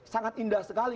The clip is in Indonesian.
sangat indah sekali